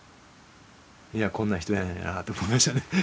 いやこんな人やねんなぁと思いましたね。